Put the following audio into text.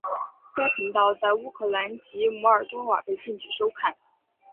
该频道在乌克兰及摩尔多瓦被禁止收看。